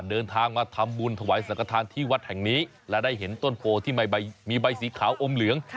เดินทางมาทำบุญถวายสังกฐานที่วัดแห่งนี้และได้เห็นต้นโพที่มีใบมีใบสีขาวอมเหลือง